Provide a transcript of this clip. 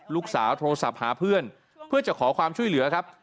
ลูกสาวโทรศัพท์หาเพื่อนเพื่อจะขอความช่วยเหลือครับ